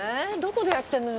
ここでやってたの？